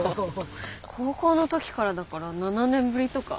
高校の時からだから７年ぶりとか？